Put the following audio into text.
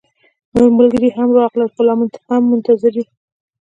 نور ملګري هم راغلل، خو لا هم منتظر يو